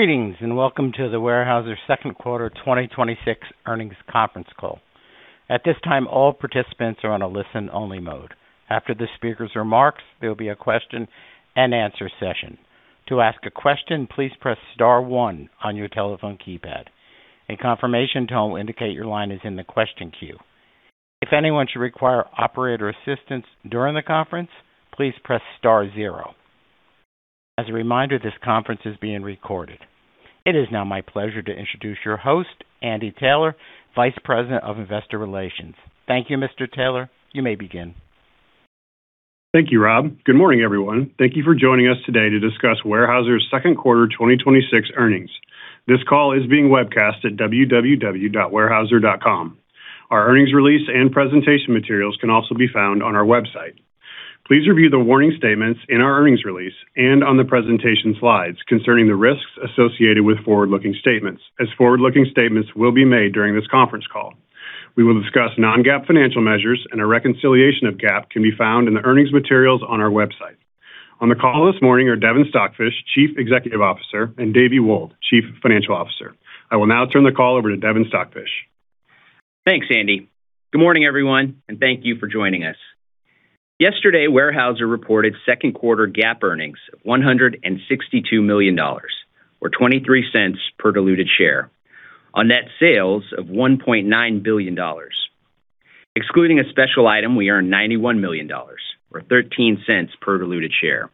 Greetings, and welcome to the Weyerhaeuser second quarter 2026 earnings conference call. At this time, all participants are on a listen-only mode. After the speaker's remarks, there will be a question-and-answer session. To ask a question, please press star one on your telephone keypad. A confirmation tone will indicate your line is in the question queue. If anyone should require operator assistance during the conference, please press star zero. As a reminder, this conference is being recorded. It is now my pleasure to introduce your host, Andy Taylor, Vice President of Investor Relations. Thank you, Mr. Taylor. You may begin. Thank you, Rob. Good morning, everyone. Thank you for joining us today to discuss Weyerhaeuser's second quarter 2026 earnings. This call is being webcast at www.weyerhaeuser.com. Our earnings release and presentation materials can also be found on our website. Please review the warning statements in our earnings release and on the presentation slides concerning the risks associated with forward-looking statements, as forward-looking statements will be made during this conference call. We will discuss non-GAAP financial measures, and a reconciliation of GAAP can be found in the earnings materials on our website. On the call this morning are Devin Stockfish, Chief Executive Officer, and Davie Wold, Chief Financial Officer. I will now turn the call over to Devin Stockfish. Thanks, Andy. Good morning, everyone, and thank you for joining us. Yesterday, Weyerhaeuser reported second quarter GAAP earnings of $162 million, or $0.23 per diluted share, on net sales of $1.9 billion. Excluding a special item, we earned $91 million, or $0.13 per diluted share.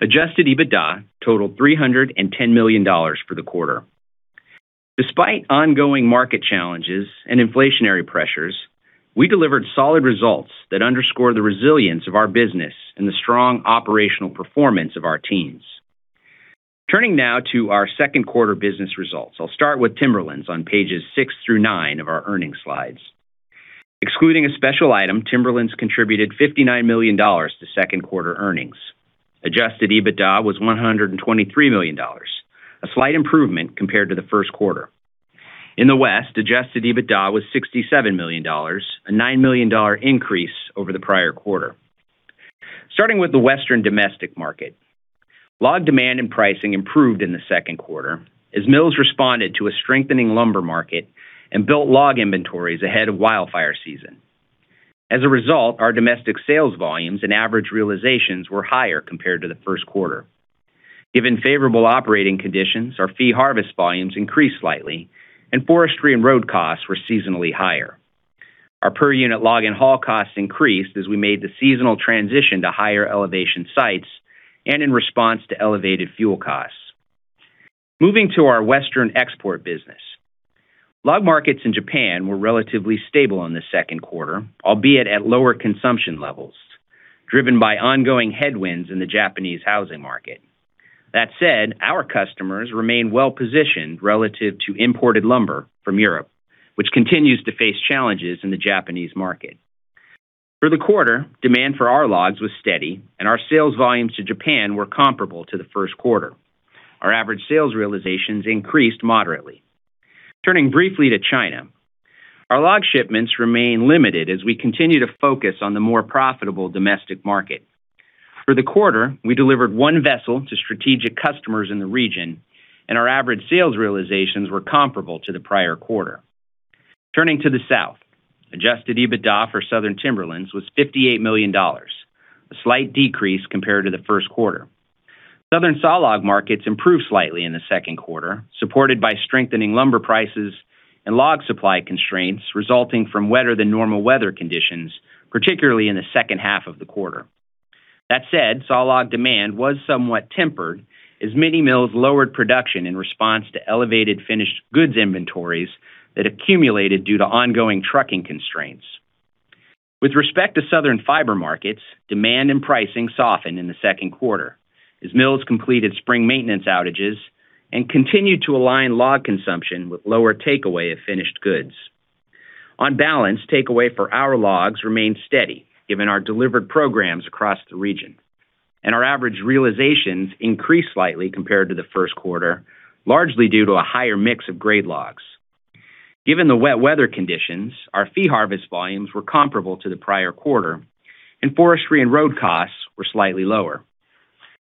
Adjusted EBITDA totaled $310 million for the quarter. Despite ongoing market challenges and inflationary pressures, we delivered solid results that underscore the resilience of our business and the strong operational performance of our teams. Turning now to our second quarter business results. I'll start with Timberlands on pages six through nine of our earnings slides. Excluding a special item, Timberlands contributed $59 million to second-quarter earnings. Adjusted EBITDA was $123 million, a slight improvement compared to the first quarter. In the West, adjusted EBITDA was $67 million, a $9 million increase over the prior quarter. Starting with the Western domestic market. Log demand and pricing improved in the second quarter as mills responded to a strengthening lumber market and built log inventories ahead of wildfire season. As a result, our domestic sales volumes and average realizations were higher compared to the first quarter. Given favorable operating conditions, our fee harvest volumes increased slightly, and forestry and road costs were seasonally higher. Our per-unit log and haul costs increased as we made the seasonal transition to higher elevation sites and in response to elevated fuel costs. Moving to our Western export business. Log markets in Japan were relatively stable in the second quarter, albeit at lower consumption levels, driven by ongoing headwinds in the Japanese housing market. That said, our customers remain well-positioned relative to imported lumber from Europe, which continues to face challenges in the Japanese market. For the quarter, demand for our logs was steady, and our sales volumes to Japan were comparable to the first quarter. Our average sales realizations increased moderately. Turning briefly to China. Our log shipments remain limited as we continue to focus on the more profitable domestic market. For the quarter, we delivered one vessel to strategic customers in the region, and our average sales realizations were comparable to the prior quarter. Turning to the South. Adjusted EBITDA for Southern Timberlands was $58 million, a slight decrease compared to the first quarter. Southern sawlog markets improved slightly in the second quarter, supported by strengthening lumber prices and log supply constraints resulting from wetter than normal weather conditions, particularly in the second half of the quarter. That said, sawlog demand was somewhat tempered as many mills lowered production in response to elevated finished goods inventories that accumulated due to ongoing trucking constraints. With respect to Southern fiber markets, demand and pricing softened in the second quarter as mills completed spring maintenance outages and continued to align log consumption with lower takeaway of finished goods. On balance, takeaway for our logs remained steady given our delivered programs across the region, and our average realizations increased slightly compared to the first quarter, largely due to a higher mix of grade logs. Given the wet weather conditions, our fee harvest volumes were comparable to the prior quarter and forestry and road costs were slightly lower.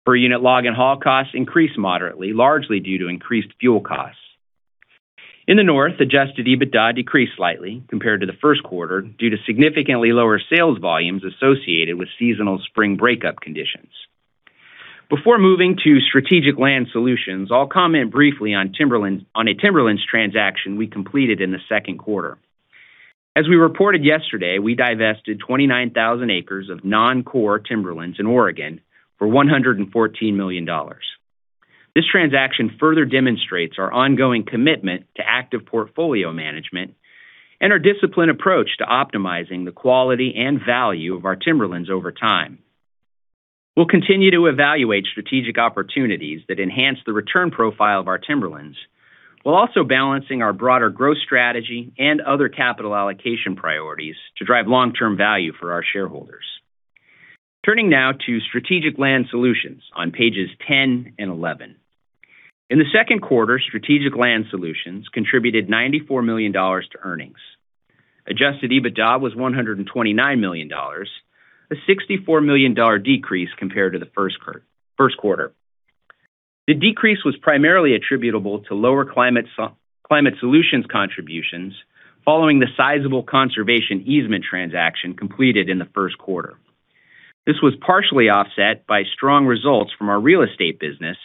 Per-unit log and haul costs increased moderately, largely due to increased fuel costs. In the North, adjusted EBITDA decreased slightly compared to the first quarter due to significantly lower sales volumes associated with seasonal spring breakup conditions. Before moving to Strategic Land Solutions, I'll comment briefly on a timberlands transaction we completed in the second quarter. As we reported yesterday, we divested 29,000 acres of non-core timberlands in Oregon for $114 million. This transaction further demonstrates our ongoing commitment to active portfolio management and our disciplined approach to optimizing the quality and value of our timberlands over time. We'll continue to evaluate strategic opportunities that enhance the return profile of our timberlands while also balancing our broader growth strategy and other capital allocation priorities to drive long-term value for our shareholders. Turning now to Strategic Land Solutions on pages 10 and 11. In the second quarter, Strategic Land Solutions contributed $94 million to earnings. Adjusted EBITDA was $129 million, a $64 million decrease compared to the first quarter. The decrease was primarily attributable to lower Climate Solutions contributions following the sizable conservation easement transaction completed in the first quarter. This was partially offset by strong results from our Real Estate business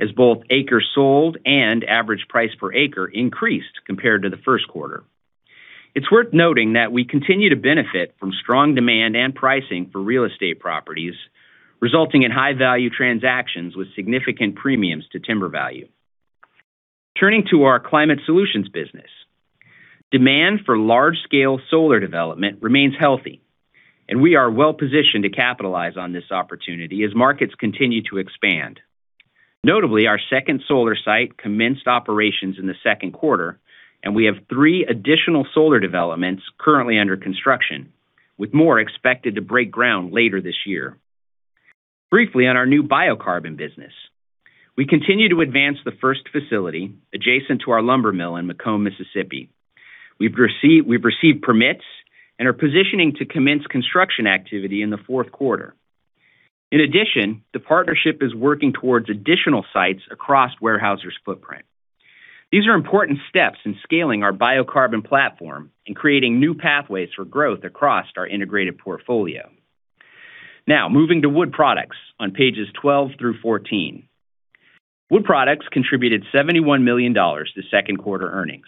as both acres sold and average price per acre increased compared to the first quarter. It's worth noting that we continue to benefit from strong demand and pricing for real estate properties, resulting in high-value transactions with significant premiums to timber value. Turning to our Climate Solutions business, demand for large-scale solar development remains healthy, and we are well-positioned to capitalize on this opportunity as markets continue to expand. Notably, our second solar site commenced operations in the second quarter, and we have three additional solar developments currently under construction, with more expected to break ground later this year. Briefly on our new Biocarbon business. We continue to advance the first facility adjacent to our lumber mill in McComb, Mississippi. We've received permits and are positioning to commence construction activity in the fourth quarter. In addition, the partnership is working towards additional sites across Weyerhaeuser's footprint. These are important steps in scaling our Biocarbon platform and creating new pathways for growth across our integrated portfolio. Now, moving to wood products on pages 12 through 14. Wood products contributed $71 million to second-quarter earnings.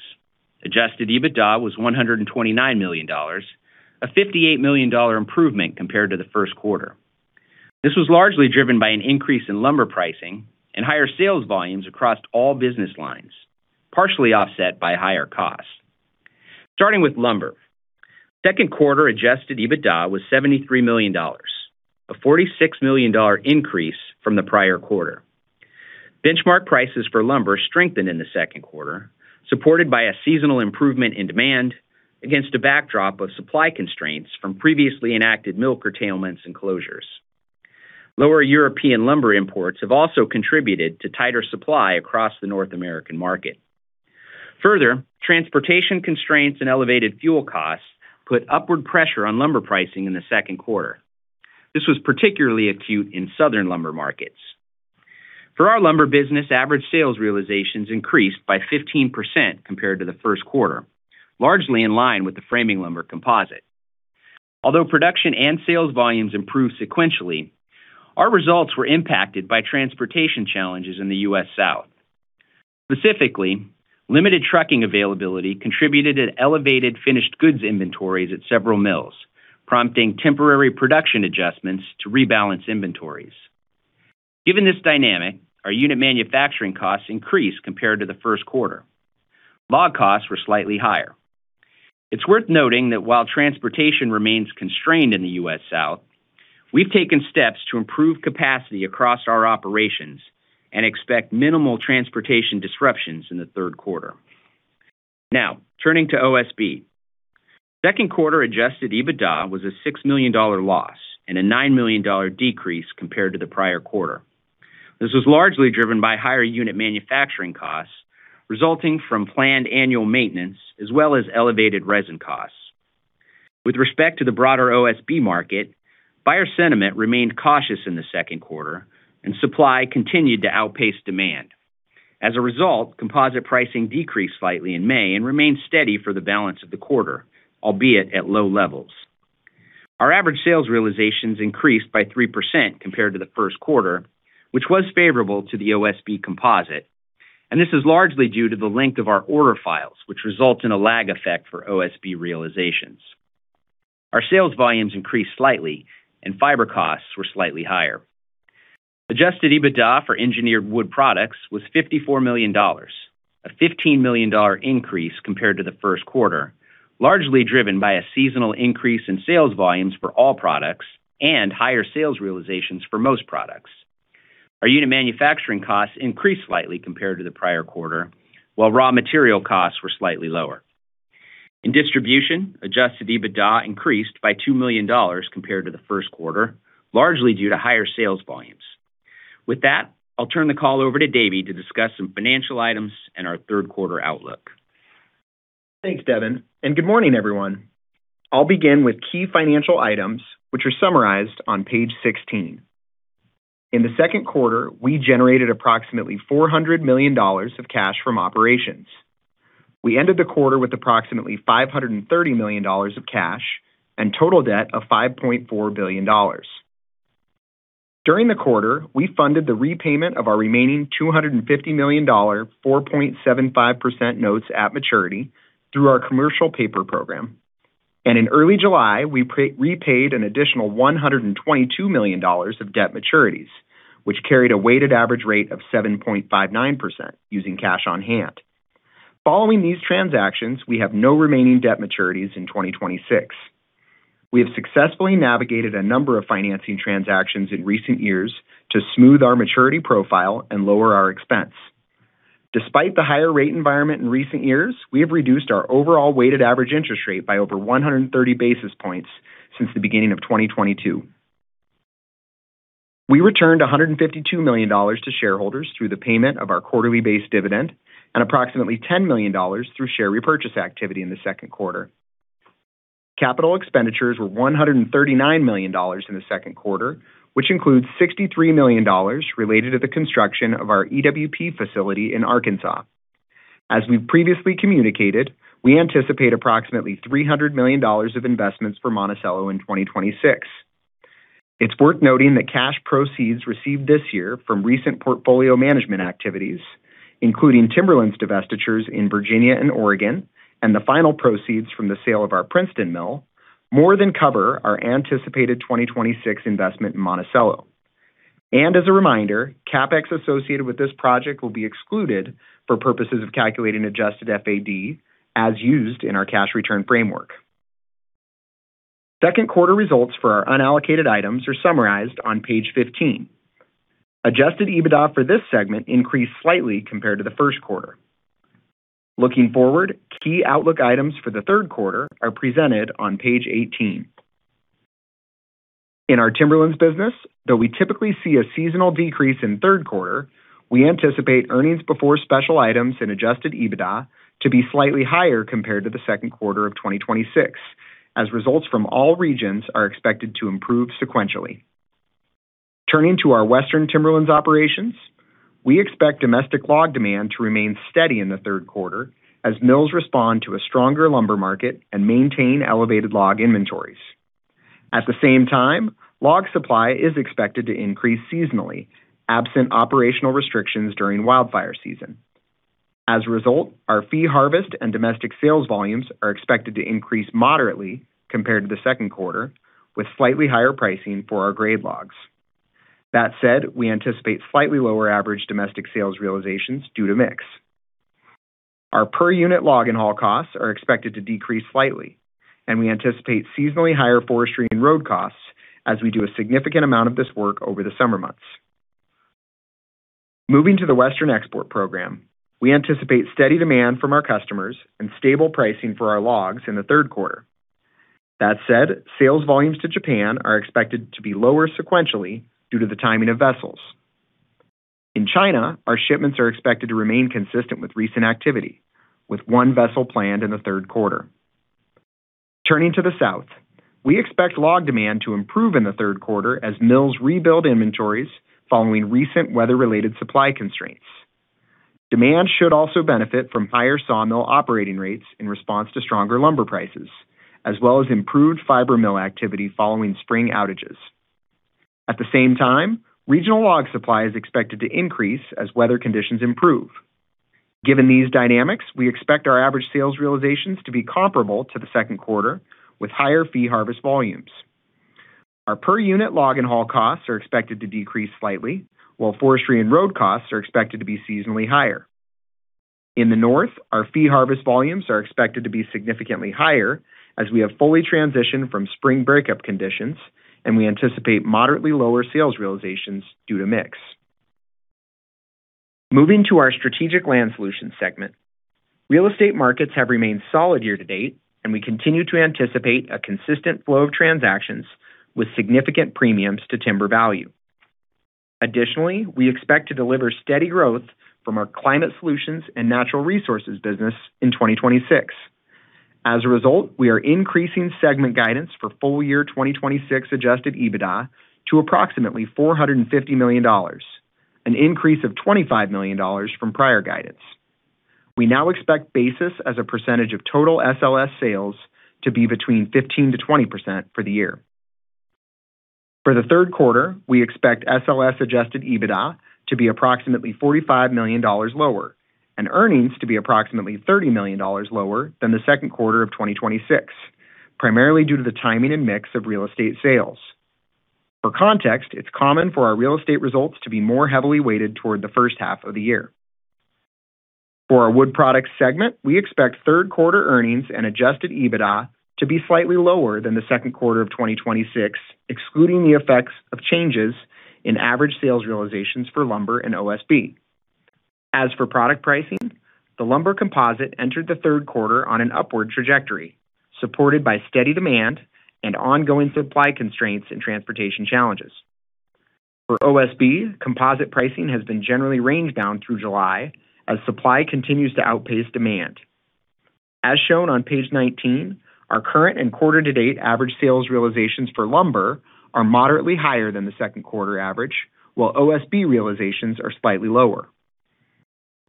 Adjusted EBITDA was $129 million, a $58 million improvement compared to the first quarter. This was largely driven by an increase in lumber pricing and higher sales volumes across all business lines, partially offset by higher costs. Starting with lumber. Second-quarter adjusted EBITDA was $73 million, a $46 million increase from the prior quarter. Benchmark prices for lumber strengthened in the second quarter, supported by a seasonal improvement in demand against a backdrop of supply constraints from previously enacted mill curtailments and closures. Lower European lumber imports have also contributed to tighter supply across the North American market. Further, transportation constraints and elevated fuel costs put upward pressure on lumber pricing in the second quarter. This was particularly acute in southern lumber markets. For our lumber business, average sales realizations increased by 15% compared to the first quarter, largely in line with the framing lumber composite. Although production and sales volumes improved sequentially, our results were impacted by transportation challenges in the U.S. South. Specifically, limited trucking availability contributed to elevated finished goods inventories at several mills, prompting temporary production adjustments to rebalance inventories. Given this dynamic, our unit manufacturing costs increased compared to the first quarter. Log costs were slightly higher. It's worth noting that while transportation remains constrained in the U.S. South, we've taken steps to improve capacity across our operations and expect minimal transportation disruptions in the third quarter. Now, turning to OSB. Second-quarter adjusted EBITDA was a $6 million loss and a $9 million decrease compared to the prior quarter. This was largely driven by higher unit manufacturing costs resulting from planned annual maintenance, as well as elevated resin costs. With respect to the broader OSB market, buyer sentiment remained cautious in the second quarter, and supply continued to outpace demand. As a result, composite pricing decreased slightly in May and remained steady for the balance of the quarter, albeit at low levels. Our average sales realizations increased by 3% compared to the first quarter, which was favorable to the OSB composite, and this is largely due to the length of our order files, which result in a lag effect for OSB realizations. Our sales volumes increased slightly, and fiber costs were slightly higher. Adjusted EBITDA for engineered wood products was $54 million, a $15 million increase compared to the first quarter, largely driven by a seasonal increase in sales volumes for all products and higher sales realizations for most products. Our unit manufacturing costs increased slightly compared to the prior quarter, while raw material costs were slightly lower. In distribution, adjusted EBITDA increased by $2 million compared to the first quarter, largely due to higher sales volumes. With that, I'll turn the call over to Davie to discuss some financial items and our third-quarter outlook. Thanks, Devin. Good morning, everyone. I'll begin with key financial items, which are summarized on page 16. In the second quarter, we generated approximately $400 million of cash from operations. We ended the quarter with approximately $530 million of cash and total debt of $5.4 billion. During the quarter, we funded the repayment of our remaining $250 million 4.75% notes at maturity through our commercial paper program. In early July, we repaid an additional $122 million of debt maturities, which carried a weighted average rate of 7.59%, using cash on hand. Following these transactions, we have no remaining debt maturities in 2026. We have successfully navigated a number of financing transactions in recent years to smooth our maturity profile and lower our expense. Despite the higher rate environment in recent years, we have reduced our overall weighted average interest rate by over 130 basis points since the beginning of 2022. We returned $152 million to shareholders through the payment of our quarterly-based dividend and approximately $10 million through share repurchase activity in the second quarter. Capital expenditures were $139 million in the second quarter, which includes $63 million related to the construction of our EWP facility in Arkansas. As we've previously communicated, we anticipate approximately $300 million of investments for Monticello in 2026. It's worth noting that cash proceeds received this year from recent portfolio management activities, including Timberlands divestitures in Virginia and Oregon, and the final proceeds from the sale of our Princeton Mill, more than cover our anticipated 2026 investment in Monticello. As a reminder, CapEx associated with this project will be excluded for purposes of calculating adjusted FAD as used in our cash return framework. Second quarter results for our unallocated items are summarized on page 15. Adjusted EBITDA for this segment increased slightly compared to the first quarter. Looking forward, key outlook items for the third quarter are presented on page 18. In our Timberlands business, though we typically see a seasonal decrease in third quarter, we anticipate earnings before special items and adjusted EBITDA to be slightly higher compared to the second quarter of 2026, as results from all regions are expected to improve sequentially. Turning to our Western Timberlands operations, we expect domestic log demand to remain steady in the third quarter as mills respond to a stronger lumber market and maintain elevated log inventories. At the same time, log supply is expected to increase seasonally, absent operational restrictions during wildfire season. As a result, our fee harvest and domestic sales volumes are expected to increase moderately compared to the second quarter with slightly higher pricing for our grade logs. That said, we anticipate slightly lower average domestic sales realizations due to mix. Our per-unit log and haul costs are expected to decrease slightly. We anticipate seasonally higher forestry and road costs as we do a significant amount of this work over the summer months. Moving to the Western export program, we anticipate steady demand from our customers and stable pricing for our logs in the third quarter. That said, sales volumes to Japan are expected to be lower sequentially due to the timing of vessels. In China, our shipments are expected to remain consistent with recent activity, with one vessel planned in the third quarter. Turning to the South, we expect log demand to improve in the third quarter as mills rebuild inventories following recent weather-related supply constraints. Demand should also benefit from higher sawmill operating rates in response to stronger lumber prices, as well as improved fiber mill activity following spring outages. At the same time, regional log supply is expected to increase as weather conditions improve. Given these dynamics, we expect our average sales realizations to be comparable to the second quarter, with higher fee harvest volumes. Our per-unit log and haul costs are expected to decrease slightly, while forestry and road costs are expected to be seasonally higher. In the North, our fee harvest volumes are expected to be significantly higher as we have fully transitioned from spring breakup conditions. We anticipate moderately lower sales realizations due to mix. Moving to our Strategic Land Solutions segment, Real Estate markets have remained solid year to date, and we continue to anticipate a consistent flow of transactions with significant premiums to timber value. Additionally, we expect to deliver steady growth from our Climate Solutions and Natural Resources business in 2026. As a result, we are increasing segment guidance for full-year 2026 adjusted EBITDA to approximately $450 million, an increase of $25 million from prior guidance. We now expect basis as a percentage of total SLS sales to be between 15%-20% for the year. For the third quarter, we expect SLS adjusted EBITDA to be approximately $45 million lower and earnings to be approximately $30 million lower than the second quarter of 2026, primarily due to the timing and mix of Real Estate sales. For context, it's common for our Real Estate results to be more heavily weighted toward the first half of the year. For our wood products segment, we expect third-quarter earnings and adjusted EBITDA to be slightly lower than the second quarter of 2026, excluding the effects of changes in average sales realizations for lumber and OSB. As for product pricing, the lumber composite entered the third quarter on an upward trajectory, supported by steady demand and ongoing supply constraints and transportation challenges. For OSB, composite pricing has been generally range bound through July as supply continues to outpace demand. As shown on page 19, our current and quarter-to-date average sales realizations for lumber are moderately higher than the second quarter average, while OSB realizations are slightly lower.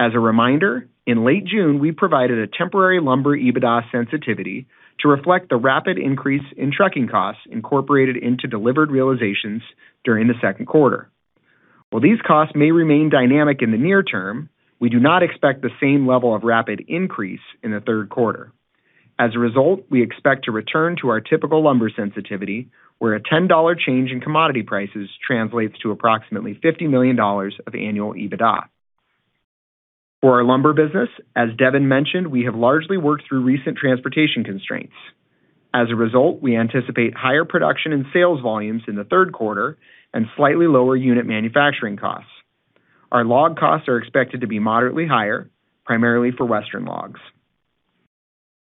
As a reminder, in late June, we provided a temporary lumber EBITDA sensitivity to reflect the rapid increase in trucking costs incorporated into delivered realizations during the second quarter. While these costs may remain dynamic in the near term, we do not expect the same level of rapid increase in the third quarter. As a result, we expect to return to our typical lumber sensitivity, where a $10 change in commodity prices translates to approximately $50 million of annual EBITDA. For our lumber business, as Devin mentioned, we have largely worked through recent transportation constraints. As a result, we anticipate higher production and sales volumes in the third quarter and slightly lower unit manufacturing costs. Our log costs are expected to be moderately higher, primarily for Western logs.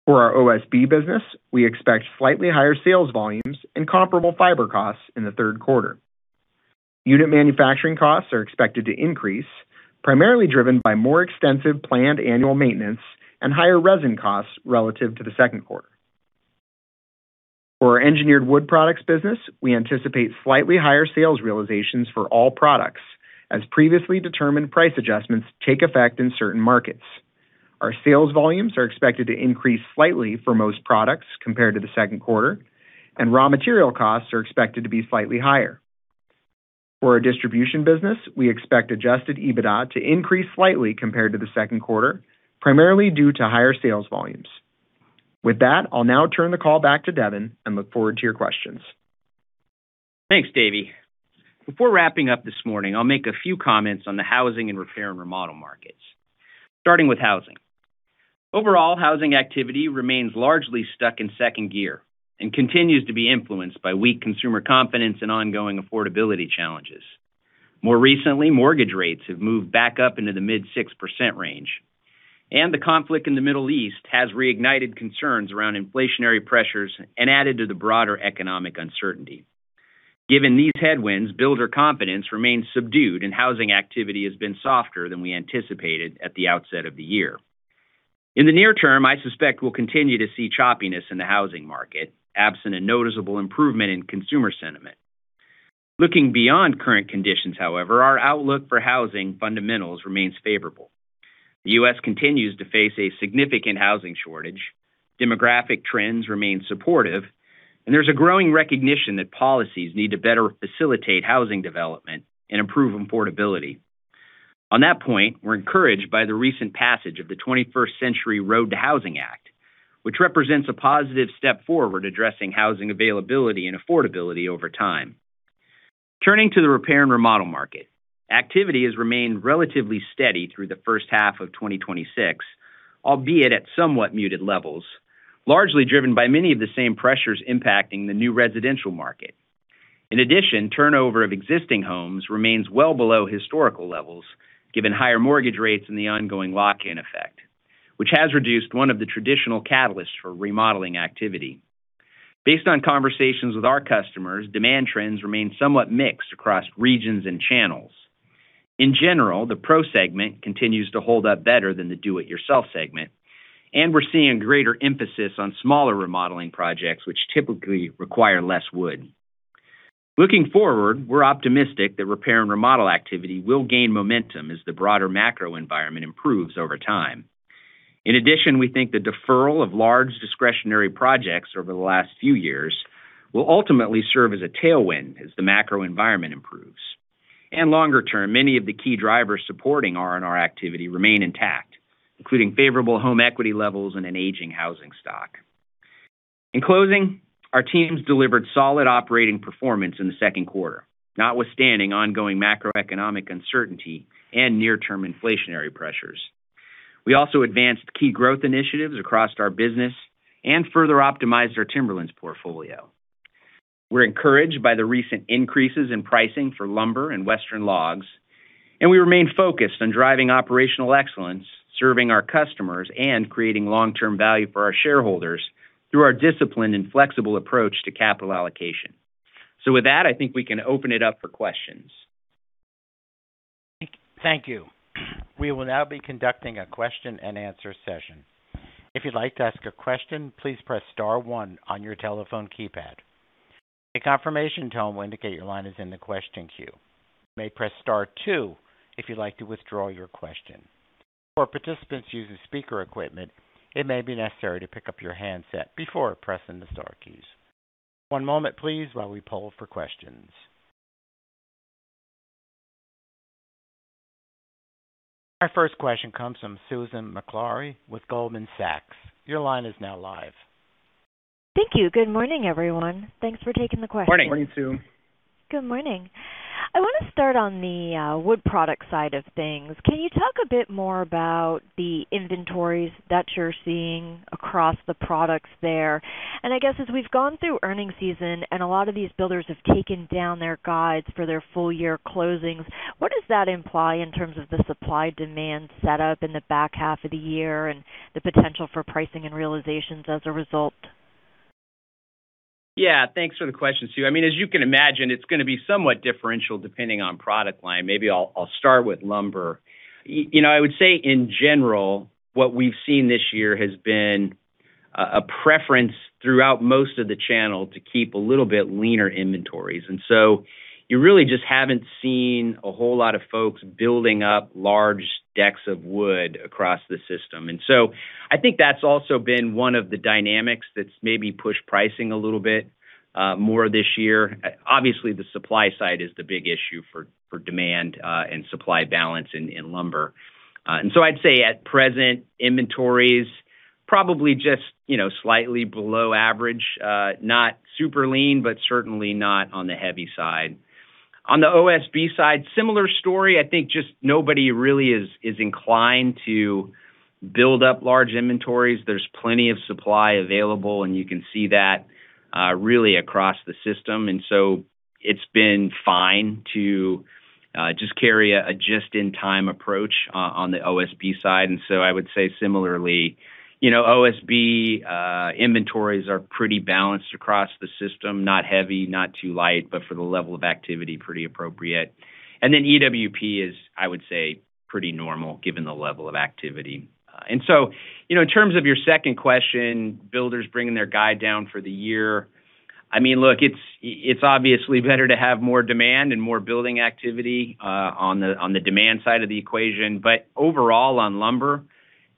For our OSB business, we expect slightly higher sales volumes and comparable fiber costs in the third quarter. Unit manufacturing costs are expected to increase, primarily driven by more extensive planned annual maintenance and higher resin costs relative to the second quarter. For our engineered wood products business, we anticipate slightly higher sales realizations for all products as previously determined price adjustments take effect in certain markets. Our sales volumes are expected to increase slightly for most products compared to the second quarter, and raw material costs are expected to be slightly higher. For our distribution business, we expect adjusted EBITDA to increase slightly compared to the second quarter, primarily due to higher sales volumes. With that, I'll now turn the call back to Devin and look forward to your questions. Thanks, Davie. Before wrapping up this morning, I'll make a few comments on the housing and repair and remodel markets. Starting with housing. Overall, housing activity remains largely stuck in second gear and continues to be influenced by weak consumer confidence and ongoing affordability challenges. More recently, mortgage rates have moved back up into the mid 6% range, and the conflict in the Middle East has reignited concerns around inflationary pressures and added to the broader economic uncertainty. Given these headwinds, builder confidence remains subdued, and housing activity has been softer than we anticipated at the outset of the year. In the near term, I suspect we'll continue to see choppiness in the housing market, absent a noticeable improvement in consumer sentiment. Looking beyond current conditions, however, our outlook for housing fundamentals remains favorable. The U.S. continues to face a significant housing shortage, demographic trends remain supportive, and there's a growing recognition that policies need to better facilitate housing development and improve affordability. On that point, we're encouraged by the recent passage of the 21st Century ROAD to Housing Act, which represents a positive step forward addressing housing availability and affordability over time. Turning to the repair and remodel market. Activity has remained relatively steady through the first half of 2026, albeit at somewhat muted levels, largely driven by many of the same pressures impacting the new residential market. In addition, turnover of existing homes remains well below historical levels, given higher mortgage rates and the ongoing lock-in effect, which has reduced one of the traditional catalysts for remodeling activity. Based on conversations with our customers, demand trends remain somewhat mixed across regions and channels. In general, the pro segment continues to hold up better than the do-it-yourself segment, and we're seeing greater emphasis on smaller remodeling projects which typically require less wood. Looking forward, we're optimistic that repair and remodel activity will gain momentum as the broader macro environment improves over time. In addition, we think the deferral of large discretionary projects over the last few years will ultimately serve as a tailwind as the macro environment improves. Longer term, many of the key drivers supporting R&R activity remain intact, including favorable home equity levels and an aging housing stock. In closing, our teams delivered solid operating performance in the second quarter, notwithstanding ongoing macroeconomic uncertainty and near-term inflationary pressures. We also advanced key growth initiatives across our business and further optimized our Timberlands portfolio. We're encouraged by the recent increases in pricing for lumber and western logs. We remain focused on driving operational excellence, serving our customers, and creating long-term value for our shareholders through our disciplined and flexible approach to capital allocation. With that, I think we can open it up for questions. Thank you. We will now be conducting a question-and-answer session. If you'd like to ask a question, please press star one on your telephone keypad. A confirmation tone will indicate your line is in the question queue. You may press star two if you'd like to withdraw your question. For participants using speaker equipment, it may be necessary to pick up your handset before pressing the star keys. One moment, please, while we poll for questions. Our first question comes from Susan Maklari with Goldman Sachs. Your line is now live. Thank you. Good morning, everyone. Thanks for taking the question. Morning. Morning, Sue. Good morning. I want to start on the wood product side of things. Can you talk a bit more about the inventories that you're seeing across the products there? I guess as we've gone through earnings season and a lot of these builders have taken down their guides for their full-year closings, what does that imply in terms of the supply-demand setup in the back half of the year and the potential for pricing and realizations as a result? Yeah. Thanks for the question, Sue. As you can imagine, it's going to be somewhat differential depending on product line. Maybe I'll start with lumber. I would say in general, what we've seen this year has been a preference throughout most of the channel to keep a little bit leaner inventories. You really just haven't seen a whole lot of folks building up large decks of wood across the system. I think that's also been one of the dynamics that's maybe pushed pricing a little bit more this year. Obviously, the supply side is the big issue for demand and supply balance in lumber. I'd say at present inventories, probably just slightly below average. Not super lean, but certainly not on the heavy side. On the OSB side, similar story. I think just nobody really is inclined to build up large inventories. There's plenty of supply available, and you can see that really across the system, it's been fine to just carry a just-in-time approach on the OSB side. I would say similarly, OSB inventories are pretty balanced across the system, not heavy, not too light, but for the level of activity, pretty appropriate. Then EWP is, I would say, pretty normal given the level of activity. In terms of your second question, builders bringing their guide down for the year, look, it's obviously better to have more demand and more building activity on the demand side of the equation. Overall, on lumber,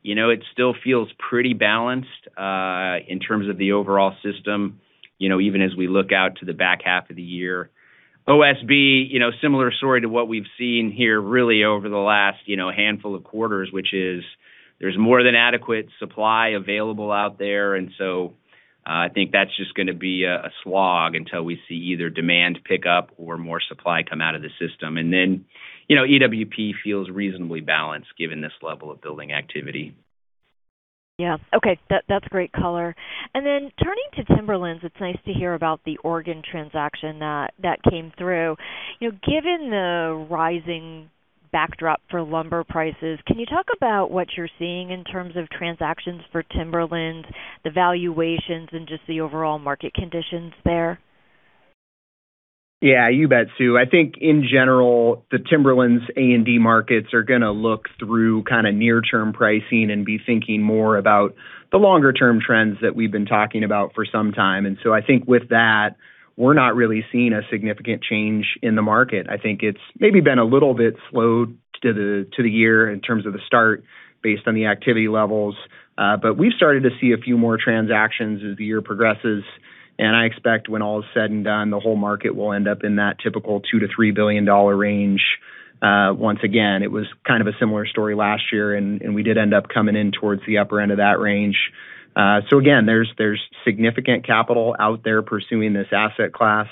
it still feels pretty balanced, in terms of the overall system, even as we look out to the back half of the year. OSB, similar story to what we've seen here really over the last handful of quarters, which is there's more than adequate supply available out there. I think that's just going to be a slog until we see either demand pick up or more supply come out of the system. EWP feels reasonably balanced given this level of building activity. Yeah. Okay. That's great color. Turning to Timberlands, it's nice to hear about the Oregon transaction that came through. Given the rising backdrop for lumber prices, can you talk about what you're seeing in terms of transactions for Timberlands, the valuations, and just the overall market conditions there? Yeah, you bet, Sue. I think in general, the Timberlands A&D markets are going to look through near-term pricing and be thinking more about the longer-term trends that we've been talking about for some time. I think with that, we're not really seeing a significant change in the market. I think it's maybe been a little bit slowed to the year in terms of the start based on the activity levels. We've started to see a few more transactions as the year progresses. I expect when all is said and done, the whole market will end up in that typical $2 billion-$3 billion range. Once again, it was kind of a similar story last year. We did end up coming in towards the upper end of that range. Again, there's significant capital out there pursuing this asset class.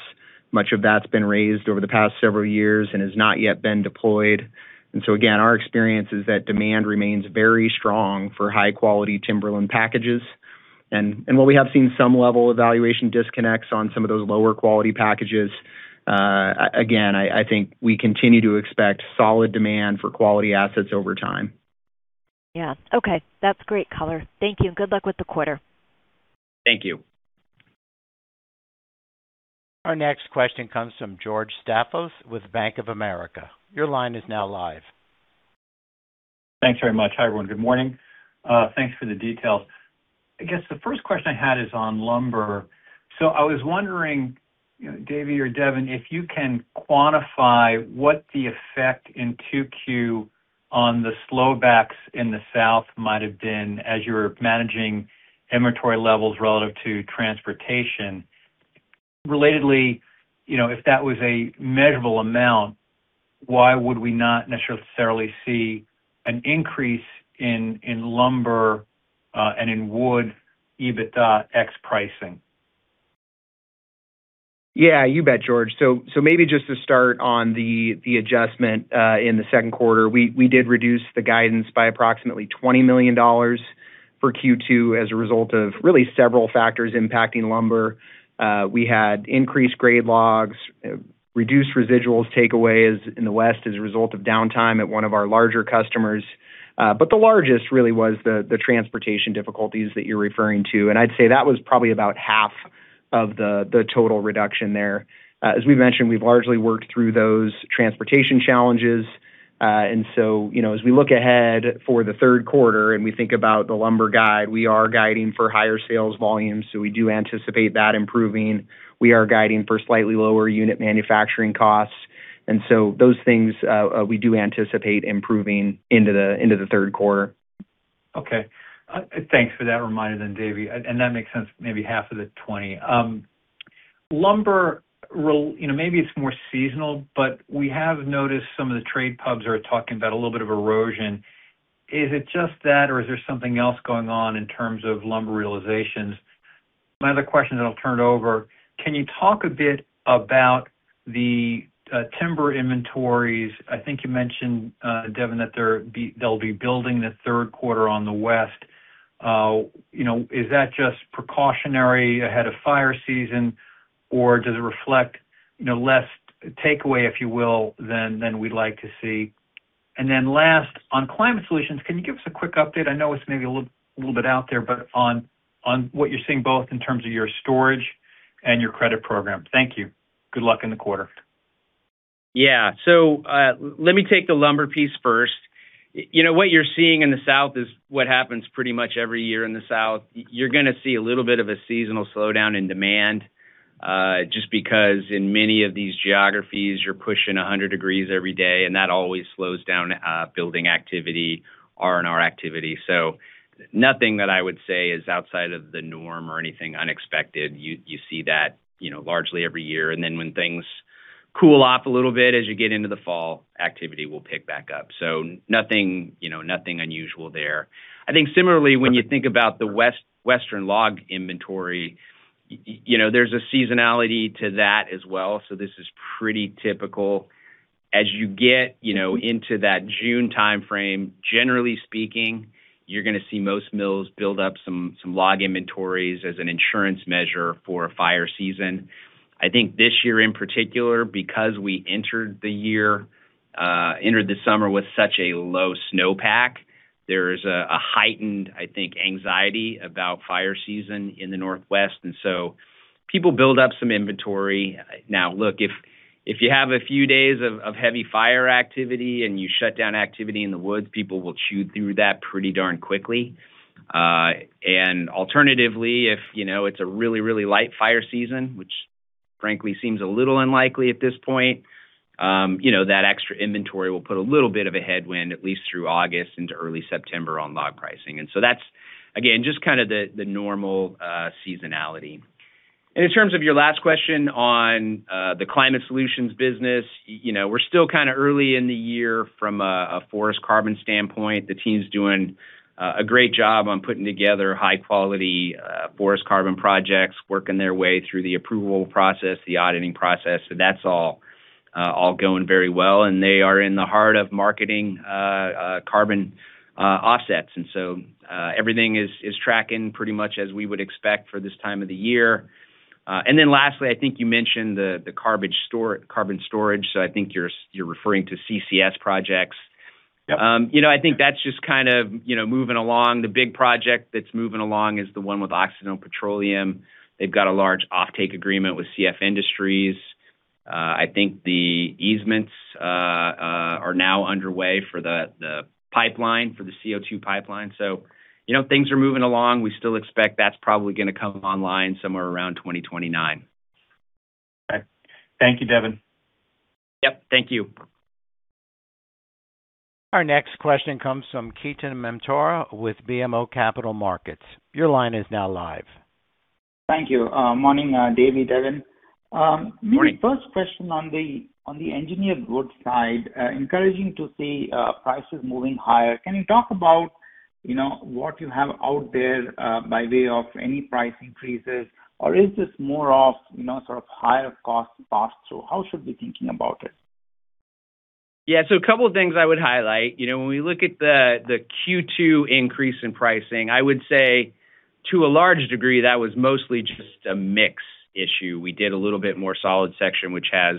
Much of that's been raised over the past several years and has not yet been deployed. Again, our experience is that demand remains very strong for high-quality Timberland packages. While we have seen some level of valuation disconnects on some of those lower quality packages, again, I think we continue to expect solid demand for quality assets over time. Yeah. Okay. That's great color. Thank you. Good luck with the quarter. Thank you. Our next question comes from George Staphos with Bank of America. Your line is now live. Thanks very much. Hi, everyone. Good morning. Thanks for the details. I guess the first question I had is on lumber. I was wondering, Davie or Devin, if you can quantify what the effect in 2Q on the slow backs in the South might have been as you're managing inventory levels relative to transportation. Relatedly, if that was a measurable amount, why would we not necessarily see an increase in lumber, and in wood EBITDA ex-pricing? Yeah, you bet, George. Maybe just to start on the adjustment, in the second quarter, we did reduce the guidance by approximately $20 million for Q2 as a result of really several factors impacting lumber. We had increased grade logs, reduced residuals takeaways in the West as a result of downtime at one of our larger customers. The largest really was the transportation difficulties that you're referring to, and I'd say that was probably about half of the total reduction there. As we've mentioned, we've largely worked through those transportation challenges. As we look ahead for the third quarter and we think about the lumber guide, we are guiding for higher sales volumes, so we do anticipate that improving. We are guiding for slightly lower unit manufacturing costs. Those things, we do anticipate improving into the third quarter. Okay. Thanks for that reminder then, Davie, and that makes sense, maybe half of the $20 million. Lumber, maybe it's more seasonal, we have noticed some of the trade pubs are talking about a little bit of erosion. Is it just that, or is there something else going on in terms of lumber realizations? My other question, I'll turn it over, can you talk a bit about the timber inventories? I think you mentioned, Devin, that they'll be building the third quarter on the West. Is that just precautionary ahead of fire season or does it reflect less takeaway, if you will, than we'd like to see? Last, on Climate Solutions, can you give us a quick update? I know it's maybe a little bit out there, but on what you're seeing both in terms of your storage and your credit program. Thank you. Good luck in the quarter. Yeah. Let me take the lumber piece first. What you're seeing in the South is what happens pretty much every year in the South. You're going to see a little bit of a seasonal slowdown in demand, just because in many of these geographies, you're pushing 100 degrees every day, and that always slows down building activity, R&R activity. Nothing that I would say is outside of the norm or anything unexpected. You see that largely every year. When things cool off a little bit as you get into the fall, activity will pick back up. Nothing unusual there. I think similarly, when you think about the Western log inventory, there's a seasonality to that as well, this is pretty typical. As you get into that June timeframe, generally speaking, you're going to see most mills build up some log inventories as an insurance measure for fire season. I think this year in particular, because we entered the summer with such a low snowpack, there is a heightened, I think, anxiety about fire season in the Northwest, people build up some inventory. Now, look, if you have a few days of heavy fire activity and you shut down activity in the woods, people will chew through that pretty darn quickly. Alternatively, if it's a really light fire season, which frankly seems a little unlikely at this point, that extra inventory will put a little bit of a headwind, at least through August into early September on log pricing. That's again, just the normal seasonality. In terms of your last question on the Climate Solutions business, we're still early in the year from a forest carbon standpoint. The team's doing a great job on putting together high-quality forest carbon projects, working their way through the approval process, the auditing process. That's all going very well, and they are in the heart of marketing carbon offsets. Everything is tracking pretty much as we would expect for this time of the year. Lastly, I think you mentioned the carbon storage, so I think you're referring to CCS projects. Yep. I think that's just kind of moving along. The big project that's moving along is the one with Occidental Petroleum. They've got a large offtake agreement with CF Industries. I think the easements are now underway for the CO2 pipeline. Things are moving along. We still expect that's probably going to come online somewhere around 2029. Okay. Thank you, Devin. Yep. Thank you. Our next question comes from Ketan Mamtora with BMO Capital Markets. Your line is now live. Thank you. Morning, Davie, Devin. Morning. Maybe first question on the engineered goods side, encouraging to see prices moving higher. Can you talk about what you have out there by way of any price increases, or is this more of sort of higher cost pass-through? How should we be thinking about it? Yeah. A couple of things I would highlight. When we look at the Q2 increase in pricing, I would say to a large degree, that was mostly just a mix issue. We did a little bit more solid section, which has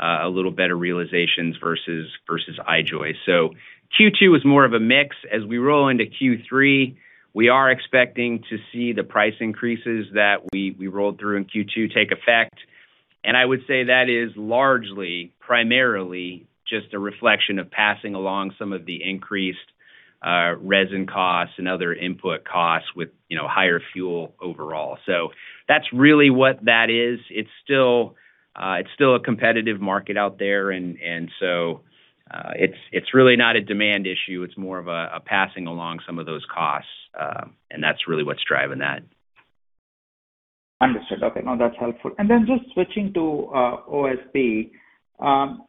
a little better realizations versus I-Joist. Q2 was more of a mix. As we roll into Q3, we are expecting to see the price increases that we rolled through in Q2 take effect. I would say that is largely, primarily just a reflection of passing along some of the increased resin costs and other input costs with higher fuel overall. That's really what that is. It's still a competitive market out there. It's really not a demand issue. It's more of a passing along some of those costs. That's really what's driving that. Understood. Okay. No, that's helpful. Just switching to OSB.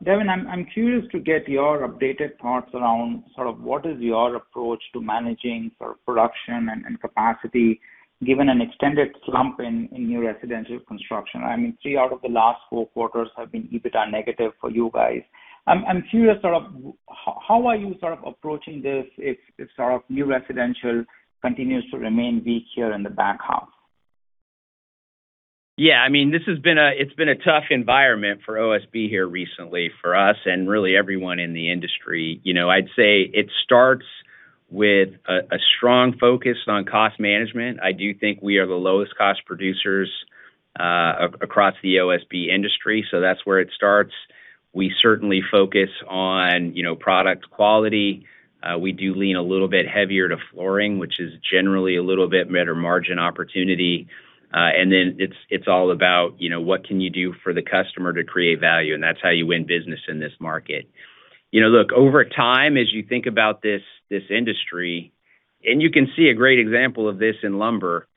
Devin, I'm curious to get your updated thoughts around sort of what is your approach to managing production and capacity, given an extended slump in new residential construction. I mean, three out of the last four quarters have been EBITDA negative for you guys. I'm curious, how are you sort of approaching this if sort of new residential continues to remain weak here in the back half? Yeah, it's been a tough environment for OSB here recently for us and really everyone in the industry. I'd say it starts with a strong focus on cost management. I do think we are the lowest cost producers across the OSB industry. That's where it starts. We certainly focus on product quality. We do lean a little bit heavier to flooring, which is generally a little bit better margin opportunity. It's all about what can you do for the customer to create value. That's how you win business in this market. Look, over time, as you think about this industry, you can see a great example of this in lumber.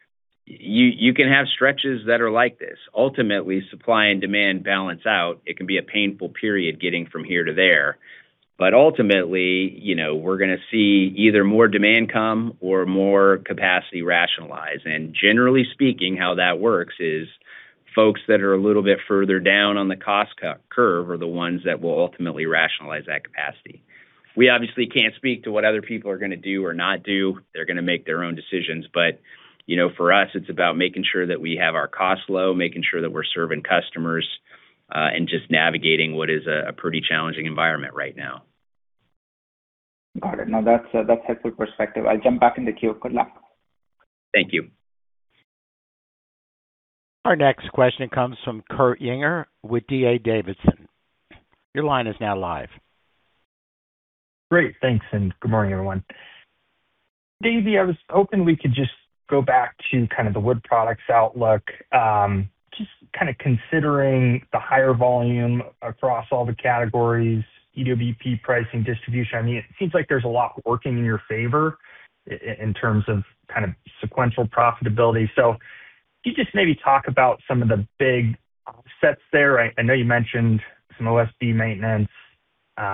You can have stretches that are like this. Ultimately, supply and demand balance out. It can be a painful period getting from here to there. Ultimately, we're going to see either more demand come or more capacity rationalize. Generally speaking, how that works is folks that are a little bit further down on the cost curve are the ones that will ultimately rationalize that capacity. We obviously can't speak to what other people are going to do or not do. They're going to make their own decisions. For us, it's about making sure that we have our costs low, making sure that we're serving customers, and just navigating what is a pretty challenging environment right now. Got it. No, that's helpful perspective. I'll jump back in the queue. Good luck. Thank you. Our next question comes from Kurt Yinger with D.A. Davidson. Your line is now live. Great. Thanks, good morning, everyone. Davie, I was hoping we could just go back to kind of the wood products outlook. Just kind of considering the higher volume across all the categories, EWP pricing distribution. I mean, it seems like there's a lot working in your favor in terms of kind of sequential profitability. Can you just maybe talk about some of the big offsets there? I know you mentioned some OSB maintenance,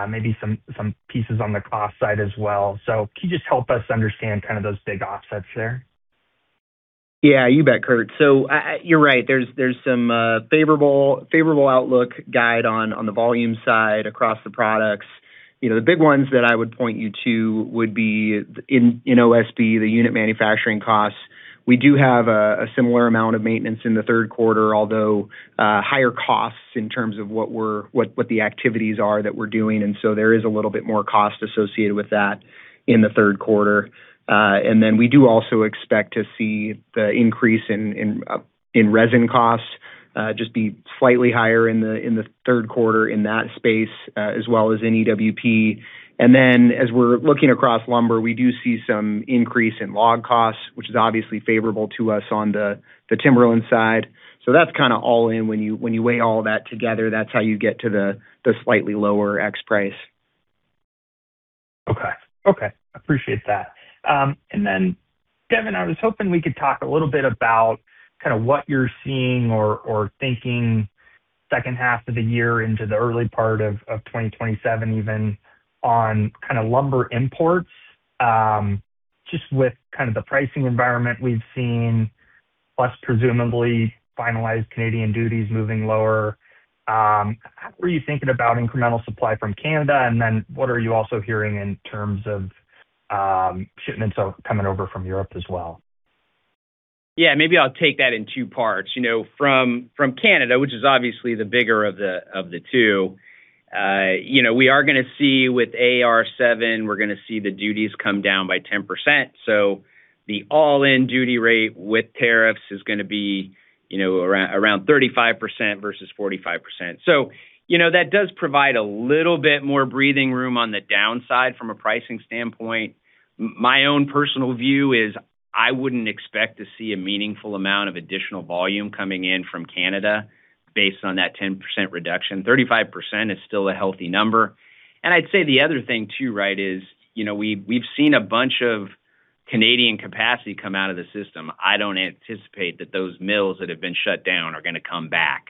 maybe some pieces on the cost side as well. Can you just help us understand kind of those big offsets there? Yeah, you bet, Kurt. So you are right, there is some favorable outlook guide on the volume side across the products. The big ones that I would point you to would be in OSB, the unit manufacturing costs. We do have a similar amount of maintenance in the third quarter, although higher costs in terms of what the activities are that we are doing, and so there is a little bit more cost associated with that in the third quarter. And then we do also expect to see the increase in resin costs just be slightly higher in the third quarter in that space, as well as in EWP. And then as we are looking across lumber, we do see some increase in log costs, which is obviously favorable to us on the timberland side. That is kind of all-in when you weigh all that together, that is how you get to the slightly lower X price. Okay. I appreciate that. And then Devin, I was hoping we could talk a little bit about what you are seeing or thinking second half of the year into the early part of 2027, even on lumber imports. Just with the pricing environment we have seen, plus presumably finalized Canadian duties moving lower. How are you thinking about incremental supply from Canada, and then what are you also hearing in terms of shipments coming over from Europe as well? Yeah, maybe I will take that in two parts. From Canada, which is obviously the bigger of the two, we are going to see with AR7, we are going to see the duties come down by 10%. So the all-in duty rate with tariffs is going to be around 35% versus 45%. That does provide a little bit more breathing room on the downside from a pricing standpoint. My own personal view is I would not expect to see a meaningful amount of additional volume coming in from Canada based on that 10% reduction. 35% is still a healthy number. And I would say the other thing too, right, is we have seen a bunch of Canadian capacity come out of the system. I do not anticipate that those mills that have been shut down are going to come back.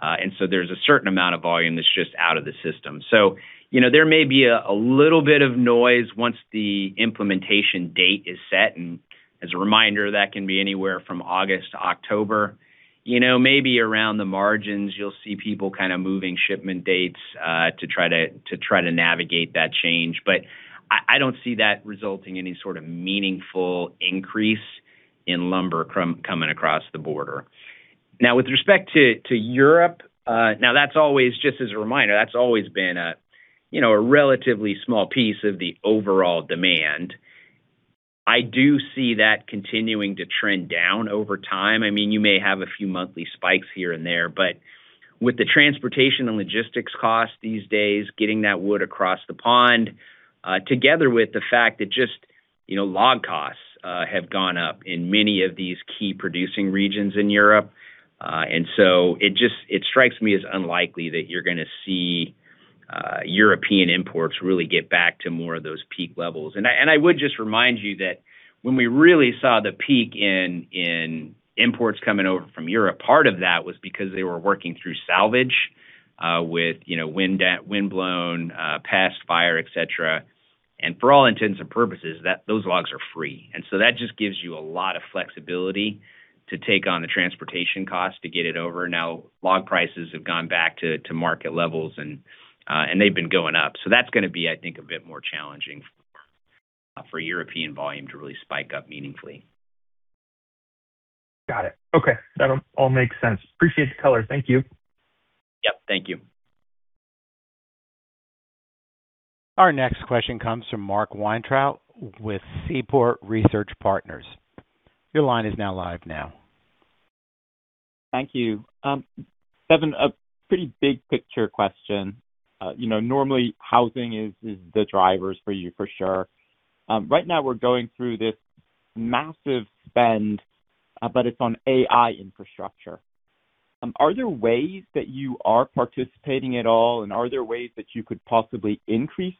And so there is a certain amount of volume that is just out of the system. There may be a little bit of noise once the implementation date is set, and as a reminder, that can be anywhere from August to October. Maybe around the margins, you'll see people kind of moving shipment dates to try to navigate that change. I don't see that resulting any sort of meaningful increase in lumber coming across the border. With respect to Europe, just as a reminder, that's always been a relatively small piece of the overall demand. I do see that continuing to trend down over time. You may have a few monthly spikes here and there, but with the transportation and logistics costs these days, getting that wood across the pond, together with the fact that just log costs have gone up in many of these key producing regions in Europe. It strikes me as unlikely that you're going to see European imports really get back to more of those peak levels. I would just remind you that when we really saw the peak in imports coming over from Europe, part of that was because they were working through salvage with windblown, past fire, et cetera. For all intents and purposes, those logs are free. That just gives you a lot of flexibility to take on the transportation cost to get it over. Log prices have gone back to market levels, and they've been going up. That's going to be, I think, a bit more challenging for European volume to really spike up meaningfully. Got it. Okay. That all makes sense. Appreciate the color. Thank you. Yep. Thank you. Our next question comes from Mark Weintraub with Seaport Research Partners. Your line is now live. Thank you. Devin, a pretty big-picture question. Normally housing is the drivers for you for sure. Right now we're going through this massive spend, it's on AI infrastructure. Are there ways that you are participating at all, and are there ways that you could possibly increase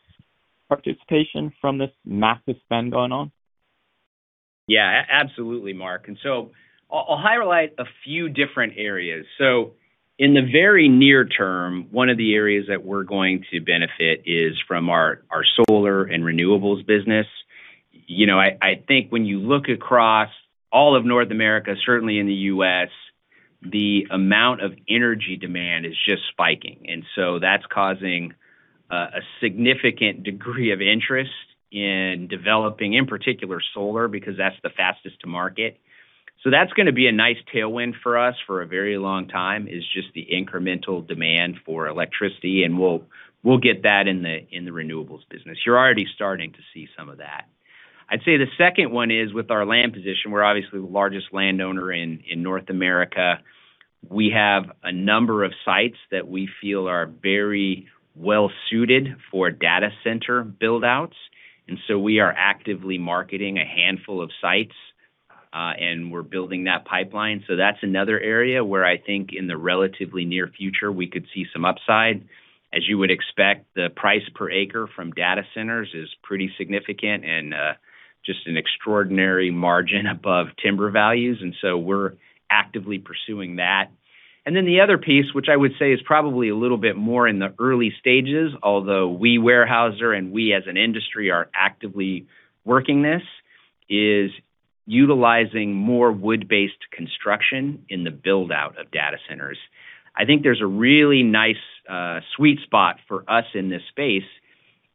participation from this massive spend going on? Yeah, absolutely, Mark. I'll highlight a few different areas. In the very near term, one of the areas that we're going to benefit is from our solar and renewables business. I think when you look across all of North America, certainly in the U.S., the amount of energy demand is just spiking, that's causing a significant degree of interest in developing, in particular solar, because that's the fastest to market. That's going to be a nice tailwind for us for a very long time, is just the incremental demand for electricity, and we'll get that in the renewables business. You're already starting to see some of that. I'd say the second one is with our land position, we're obviously the largest landowner in North America. We have a number of sites that we feel are very well-suited for data center build-outs, we are actively marketing a handful of sites, and we're building that pipeline. That's another area where I think in the relatively near future, we could see some upside. As you would expect, the price per acre from data centers is pretty significant and just an extraordinary margin above timber values, we're actively pursuing that. The other piece, which I would say is probably a little bit more in the early stages, although we, Weyerhaeuser, and we, as an industry, are actively working this, is utilizing more wood-based construction in the build-out of data centers. I think there's a really nice sweet spot for us in this space,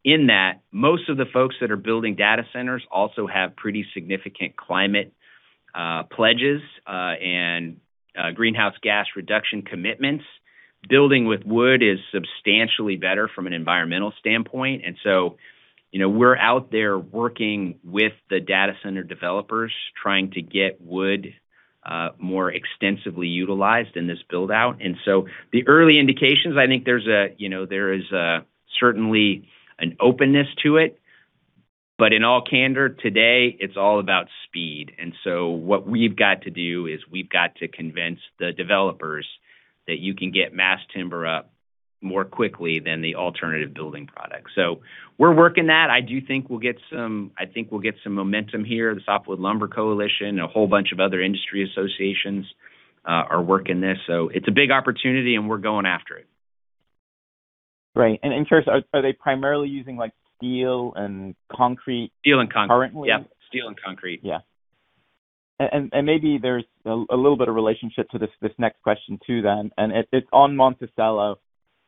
in that most of the folks that are building data centers also have pretty significant climate pledges and greenhouse gas reduction commitments. Building with wood is substantially better from an environmental standpoint. We're out there working with the data center developers, trying to get wood more extensively utilized in this build-out. The early indications, I think there is certainly an openness to it. In all candor, today, it's all about speed. What we've got to do is we've got to convince the developers that you can get mass timber up more quickly than the alternative building product. We're working that. I do think we'll get some momentum here. The softwood Lumber Coalition, a whole bunch of other industry associations are working this. It's a big opportunity, and we're going after it. Right. In terms, are they primarily using steel and concrete? Steel and concrete- currently? Yeah. Steel and concrete. Yeah. Maybe there's a little bit of relationship to this next question too then. It's on Monticello.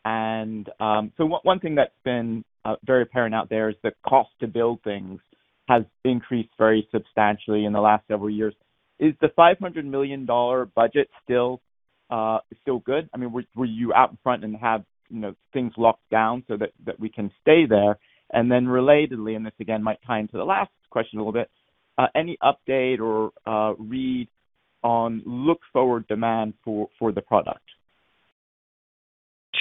One thing that's been very apparent out there is the cost to build things has increased very substantially in the last several years. Is the $500 million budget still good? Were you out in front and have things locked down so that we can stay there? Relatedly, this again might tie into the last question a little bit, any update or read on look-forward demand for the product?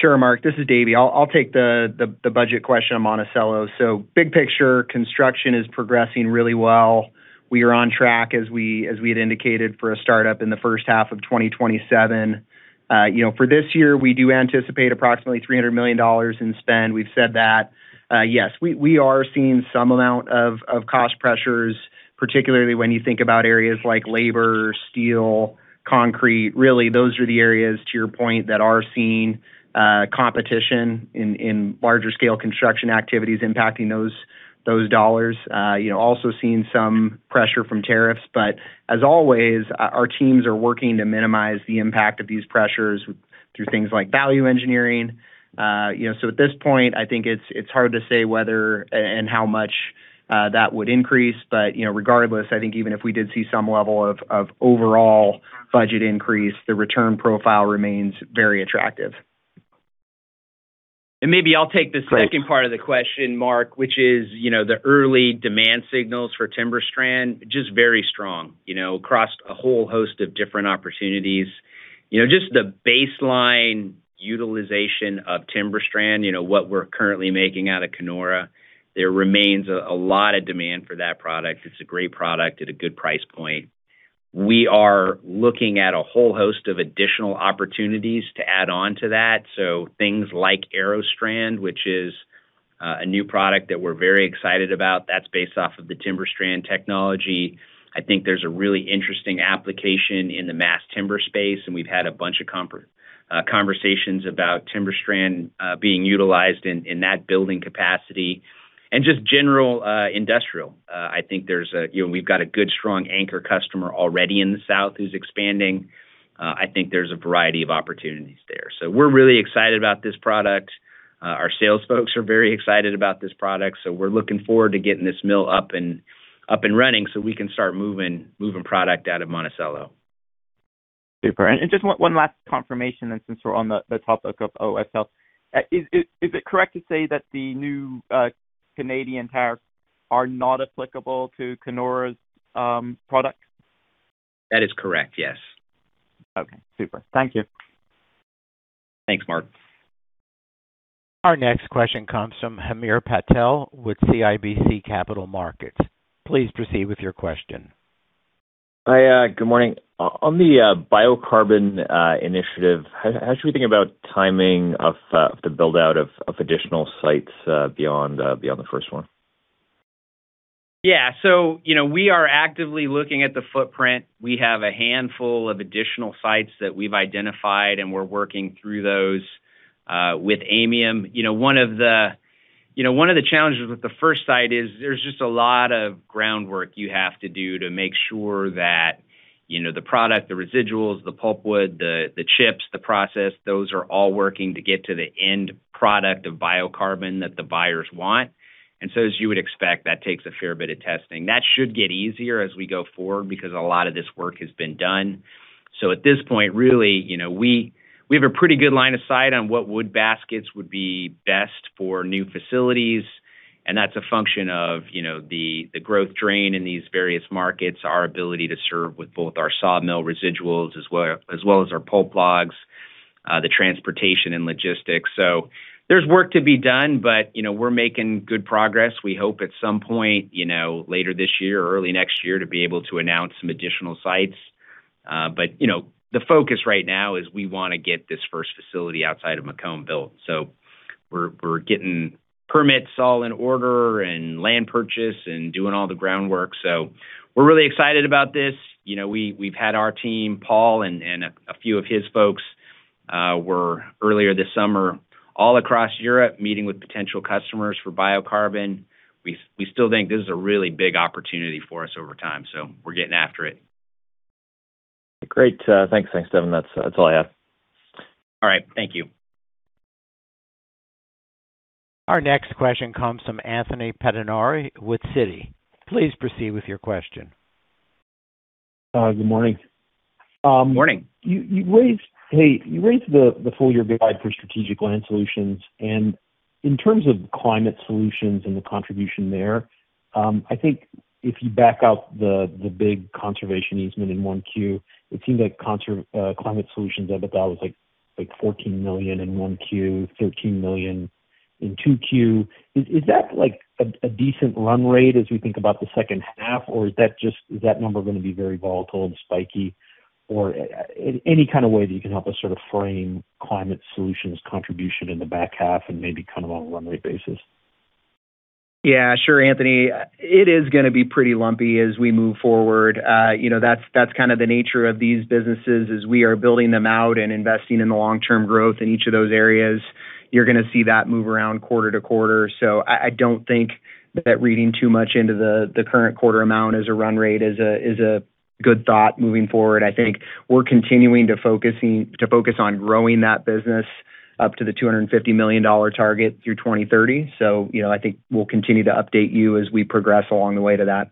Sure, Mark, this is Davie. I'll take the budget question on Monticello. Big picture, construction is progressing really well. We are on track as we had indicated for a startup in the first half of 2027. For this year, we do anticipate approximately $300 million in spend. We've said that. Yes, we are seeing some amount of cost pressures, particularly when you think about areas like labor, steel, concrete. Really, those are the areas, to your point, that are seeing competition in larger scale construction activities impacting those dollars. Also seeing some pressure from tariffs, as always, our teams are working to minimize the impact of these pressures through things like value engineering. At this point, I think it's hard to say whether and how much that would increase. Regardless, I think even if we did see some level of overall budget increase, the return profile remains very attractive. Maybe I'll take the second part of the question, Mark, which is the early demand signals for TimberStrand, just very strong across a whole host of different opportunities. Just the baseline utilization of TimberStrand, what we're currently making out of Kenora, there remains a lot of demand for that product. It's a great product at a good price point. We are looking at a whole host of additional opportunities to add on to that. Things like AeroStrand, which is a new product that we're very excited about that's based off of the TimberStrand technology. I think there's a really interesting application in the mass timber space, and we've had a bunch of conversations about TimberStrand being utilized in that building capacity and just general industrial. We've got a good, strong anchor customer already in the South who's expanding. I think there's a variety of opportunities there. We're really excited about this product. Our sales folks are very excited about this product, so we're looking forward to getting this mill up and running so we can start moving product out of Monticello. Super. Just one last confirmation then, since we're on the topic of OFL. Is it correct to say that the new Canadian tariffs are not applicable to Kenora's product? That is correct, yes. Okay, super. Thank you. Thanks, Mark. Our next question comes from Hamir Patel with CIBC Capital Markets. Please proceed with your question. Hi, good morning. On the biocarbon initiative, how should we think about timing of the build-out of additional sites beyond the first one? We are actively looking at the footprint. We have a handful of additional sites that we've identified, and we're working through those with Aymium. One of the challenges with the first site is there's just a lot of groundwork you have to do to make sure that the product, the residuals, the pulpwood, the chips, the process, those are all working to get to the end product of Biocarbon that the buyers want. As you would expect, that takes a fair bit of testing. That should get easier as we go forward because a lot of this work has been done. At this point, really, we have a pretty good line of sight on what wood baskets would be best for new facilities, that's a function of the growth drain in these various markets, our ability to serve with both our sawmill residuals as well as our pulp logs, the transportation and logistics. There's work to be done, we're making good progress. We hope at some point later this year or early next year to be able to announce some additional sites. The focus right now is we want to get this first facility outside of McComb built. We're getting permits all in order and land purchase and doing all the groundwork. We're really excited about this. We've had our team, Paul and a few of his folks were earlier this summer all across Europe meeting with potential customers for Biocarbon. We still think this is a really big opportunity for us over time, we're getting after it. Great. Thanks, Devin. That's all I have. All right. Thank you. Our next question comes from Anthony Pettinari with Citi. Please proceed with your question. Good morning. Morning. Hey, you raised the full-year guide for Strategic Land Solutions, and in terms of Climate Solutions and the contribution there, I think if you back out the big conservation easement in 1Q, it seems like Climate Solutions EBITDA was like $14 million in 1Q, $13 million in 2Q. Is that like a decent run rate as we think about the second half, or is that number going to be very volatile and spiky? Any kind of way that you can help us sort of frame Climate Solutions contribution in the back half and maybe on a run rate basis? Yeah, sure, Anthony. It is going to be pretty lumpy as we move forward. That's kind of the nature of these businesses as we are building them out and investing in the long-term growth in each of those areas. You're going to see that move around quarter to quarter. I don't think that reading too much into the current quarter amount as a run rate is a good thought moving forward. I think we're continuing to focus on growing that business up to the $250 million target through 2030. I think we'll continue to update you as we progress along the way to that.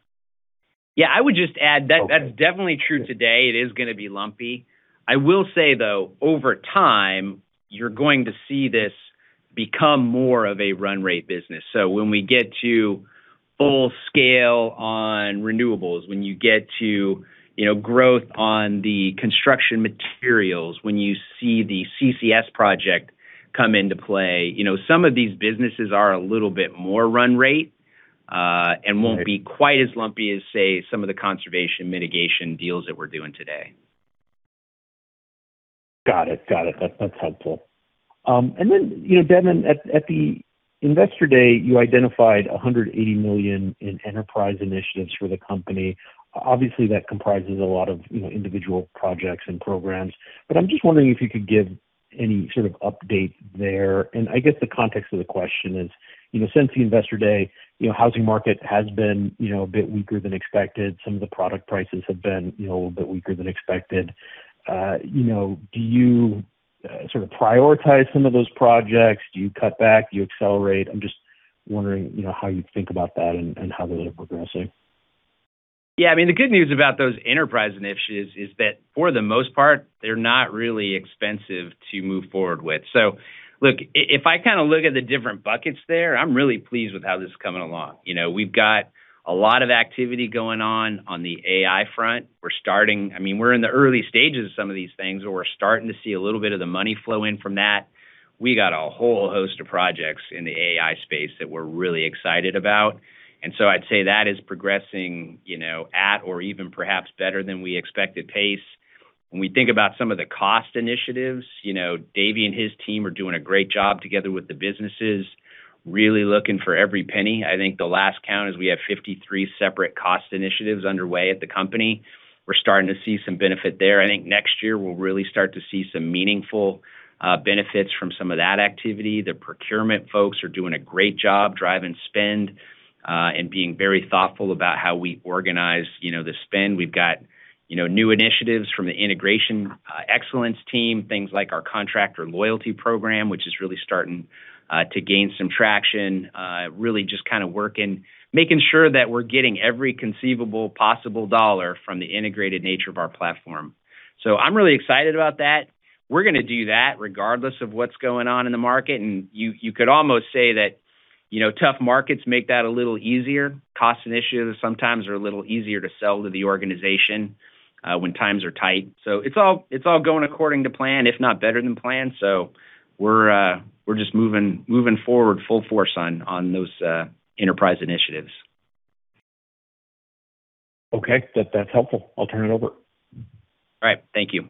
Yeah, I would just add that that's definitely true today. It is going to be lumpy. I will say, though, over time, you're going to see this become more of a run rate business. When we get to full scale on renewables, when you get to growth on the construction materials, when you see the CCS project come into play, some of these businesses are a little bit more run rate, and won't be quite as lumpy as, say, some of the conservation mitigation deals that we're doing today. Got it. That's helpful. Then, Devin, at the Investor Day, you identified $180 million in enterprise initiatives for the company. Obviously, that comprises a lot of individual projects and programs, but I'm just wondering if you could give any sort of update there. I guess the context of the question is, since the Investor Day, housing market has been a bit weaker than expected. Some of the product prices have been a little bit weaker than expected. Do you sort of prioritize some of those projects? Do you cut back? Do you accelerate? I'm just wondering how you think about that and how those are progressing. Yeah. The good news about those enterprise initiatives is that for the most part, they're not really expensive to move forward with. Look, if I look at the different buckets there, I'm really pleased with how this is coming along. We've got a lot of activity going on on the AI front. We're in the early stages of some of these things, but we're starting to see a little bit of the money flow in from that. We got a whole host of projects in the AI space that we're really excited about, I'd say that is progressing at or even perhaps better than we expected pace. When we think about some of the cost initiatives, Davie and his team are doing a great job together with the businesses, really looking for every penny. I think the last count is we have 53 separate cost initiatives underway at the company. We're starting to see some benefit there. I think next year we'll really start to see some meaningful benefits from some of that activity. The procurement folks are doing a great job driving spend, and being very thoughtful about how we organize the spend. We've got new initiatives from the Integration Excellence team, things like our Contractor Loyalty Program, which is really starting to gain some traction. Really just kind of working, making sure that we're getting every conceivable possible dollar from the integrated nature of our platform. I'm really excited about that. We're going to do that regardless of what's going on in the market, and you could almost say that tough markets make that a little easier. Cost initiatives sometimes are a little easier to sell to the organization when times are tight. It's all going according to plan, if not better than plan. We're just moving forward full force on those enterprise initiatives. Okay. That's helpful. I'll turn it over. All right. Thank you.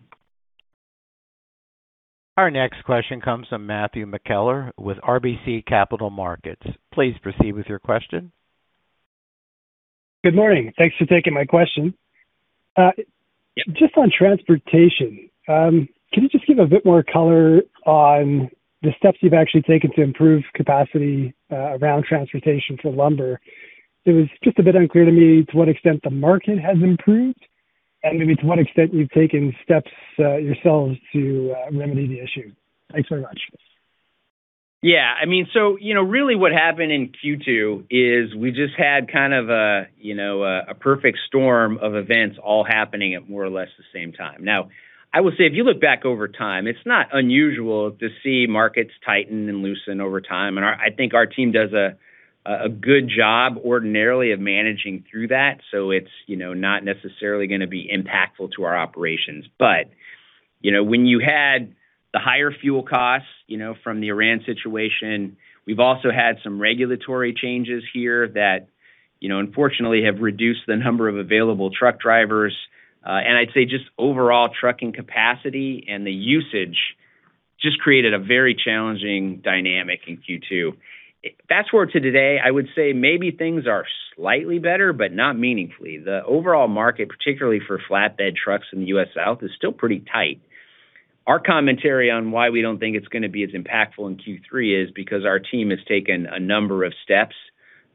Our next question comes from Matthew McKellar with RBC Capital Markets. Please proceed with your question. Good morning. Thanks for taking my question. Just on transportation, can you just give a bit more color on the steps you've actually taken to improve capacity around transportation for lumber? It was just a bit unclear to me to what extent the market has improved, and maybe to what extent you've taken steps yourselves to remedy the issue. Thanks very much. Really what happened in Q2 is we just had kind of a perfect storm of events all happening at more or less the same time. I will say, if you look back over time, it's not unusual to see markets tighten and loosen over time, and I think our team does a good job ordinarily of managing through that, so it's not necessarily going to be impactful to our operations. When you had the higher fuel costs from the Iran situation, we've also had some regulatory changes here that unfortunately have reduced the number of available truck drivers. I'd say just overall trucking capacity and the usage just created a very challenging dynamic in Q2. Fast-forward to today, I would say maybe things are slightly better, but not meaningfully. The overall market, particularly for flatbed trucks in the U.S. South, is still pretty tight. Our commentary on why we don't think it's going to be as impactful in Q3 is because our team has taken a number of steps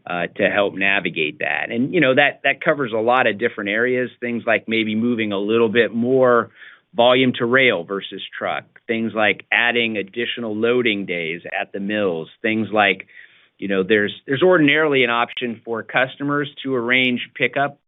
to help navigate that. That covers a lot of different areas. Things like maybe moving a little bit more volume to rail versus truck. Things like adding additional loading days at the mills. There's ordinarily an option for customers to arrange pickup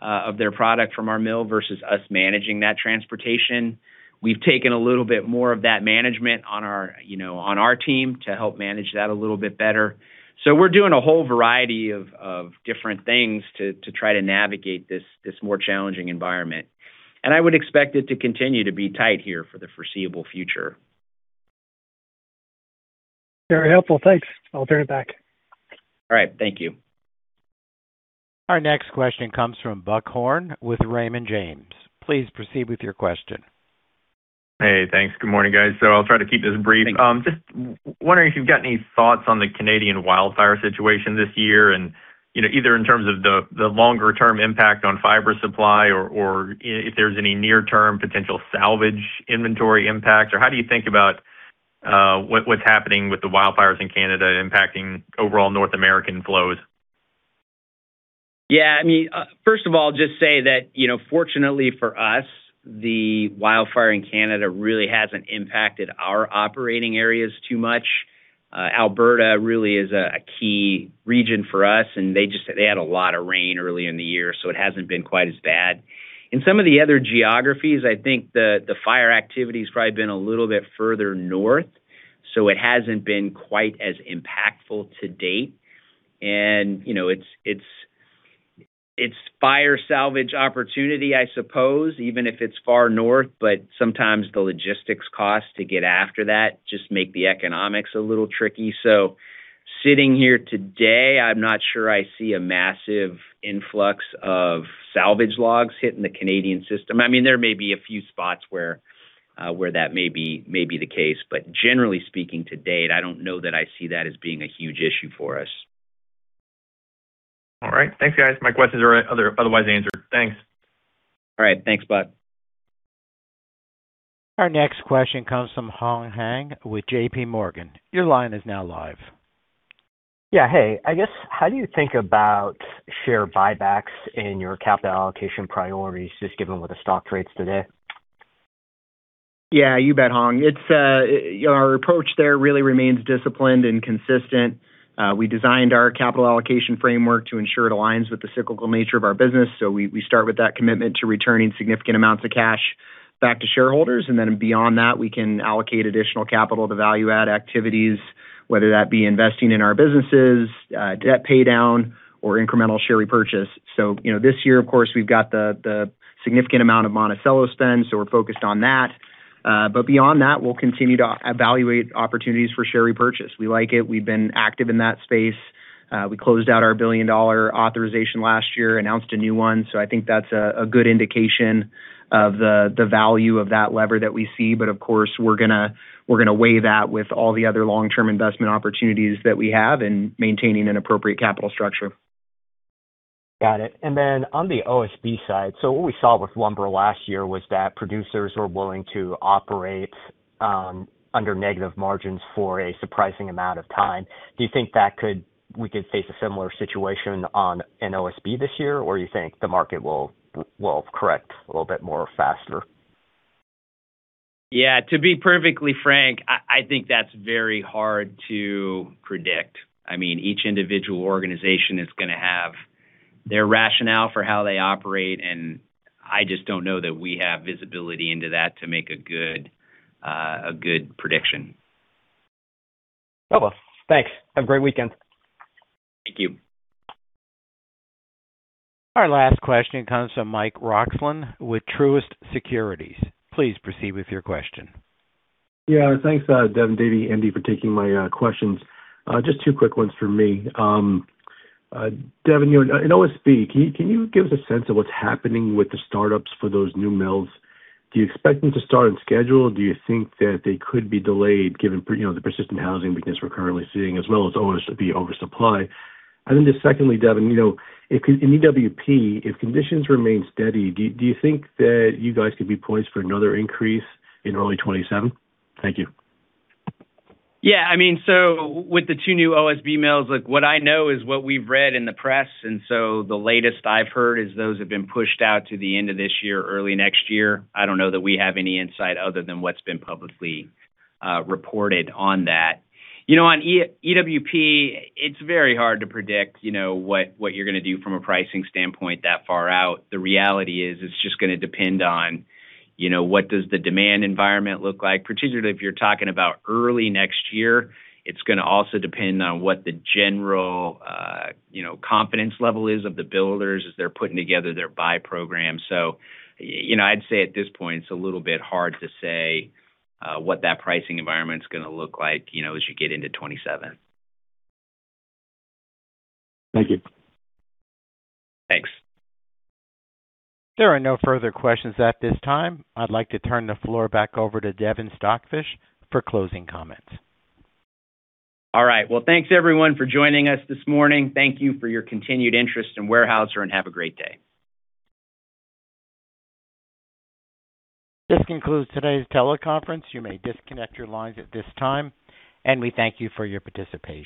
of their product from our mill versus us managing that transportation. We've taken a little bit more of that management on our team to help manage that a little bit better. We're doing a whole variety of different things to try to navigate this more challenging environment. I would expect it to continue to be tight here for the foreseeable future. Very helpful. Thanks. I'll turn it back. All right. Thank you. Our next question comes from Buck Horne with Raymond James. Please proceed with your question. Hey, thanks. Good morning, guys. I'll try to keep this brief. Thanks. Just wondering if you've got any thoughts on the Canadian wildfire situation this year and either in terms of the longer-term impact on fiber supply or if there's any near-term potential salvage inventory impact, or how do you think about what's happening with the wildfires in Canada impacting overall North American flows? Yeah. First of all, just say that, fortunately for us, the wildfire in Canada really hasn't impacted our operating areas too much. Alberta really is a key region for us, and they had a lot of rain early in the year, it hasn't been quite as bad. In some of the other geographies, I think the fire activity has probably been a little bit further north, it hasn't been quite as impactful to date. It's fire salvage opportunity, I suppose, even if it's far north, sometimes the logistics costs to get after that just make the economics a little tricky. Sitting here today, I'm not sure I see a massive influx of salvage logs hitting the Canadian system. There may be a few spots where that may be the case, generally speaking, to date, I don't know that I see that as being a huge issue for us. All right. Thanks, guys. My questions are otherwise answered. Thanks. All right. Thanks, Buck. Our next question comes from Hong Zhang with JPMorgan. Your line is now live. Yeah. Hey. I guess, how do you think about share buybacks in your capital allocation priorities, just given where the stock trades today? Yeah, you bet, Hong. Our approach there really remains disciplined and consistent. We designed our capital allocation framework to ensure it aligns with the cyclical nature of our business. We start with that commitment to returning significant amounts of cash back to shareholders, and then beyond that, we can allocate additional capital to value-add activities, whether that be investing in our businesses, debt paydown, or incremental share repurchase. This year, of course, we've got the significant amount of Monticello spend, so we're focused on that. Beyond that, we'll continue to evaluate opportunities for share repurchase. We like it. We've been active in that space. We closed out our $1 billion authorization last year, announced a new one. I think that's a good indication of the value of that lever that we see. But of course, we're going to weigh that with all the other long-term investment opportunities that we have in maintaining an appropriate capital structure. Got it. Then on the OSB side, what we saw with lumber last year was that producers were willing to operate under negative margins for a surprising amount of time. Do you think we could face a similar situation on an OSB this year? You think the market will correct a little bit more faster? To be perfectly frank, I think that's very hard to predict. Each individual organization is going to have their rationale for how they operate, and I just don't know that we have visibility into that to make a good prediction. Thanks. Have a great weekend. Thank you. Our last question comes from Mike Roxland with Truist Securities. Please proceed with your question. Yeah. Thanks, Devin, Davie, Andy, for taking my questions. Just two quick ones from me. Devin, in OSB, can you give us a sense of what's happening with the startups for those new mills? Do you expect them to start on schedule? Do you think that they could be delayed given the persistent housing weakness we're currently seeing, as well as OSB oversupply? Just secondly, Devin, in EWP, if conditions remain steady, do you think that you guys could be poised for another increase in early 2027? Thank you. Yeah. With the two new OSB mills, look, what I know is what we've read in the press. The latest I've heard is those have been pushed out to the end of this year, early next year. I don't know that we have any insight other than what's been publicly reported on that. On EWP, it's very hard to predict what you're going to do from a pricing standpoint that far out. The reality is it's just going to depend on what does the demand environment look like, particularly if you're talking about early next year. It's going to also depend on what the general confidence level is of the builders as they're putting together their buy program. I'd say at this point, it's a little bit hard to say what that pricing environment's going to look like as you get into 2027. Thank you. Thanks. There are no further questions at this time. I'd like to turn the floor back over to Devin Stockfish for closing comments. All right. Well, thanks everyone for joining us this morning. Thank you for your continued interest in Weyerhaeuser and have a great day. This concludes today's teleconference. You may disconnect your lines at this time, and we thank you for your participation.